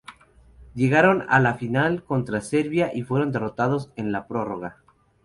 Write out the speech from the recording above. Llegaron a la final, contra Serbia y fueron derrotados en la prórroga.